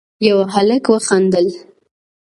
يوه هلک وخندل: